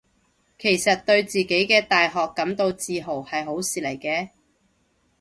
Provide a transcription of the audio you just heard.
其實對自己嘅大學感到自豪係好事嚟嘅